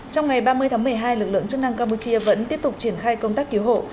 trong ngày ba mươi tháng một mươi hai lực lượng chức năng campuchia vẫn tiếp tục triển khai công tác cứu hộ